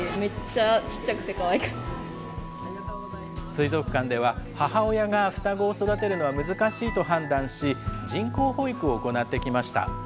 水族館では母親が双子を育てるのは難しいと判断し、人工哺育を行ってきました。